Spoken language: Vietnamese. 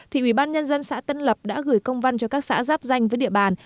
thì ubnd xã tân lập đã gửi công văn cho các xã ráp danh với địa bàn